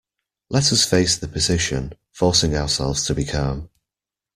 Let us face the position, forcing ourselves to be calm.